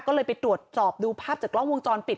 ก็เลยไปตรวจสอบดูภาพจากกล้องวงจรปิด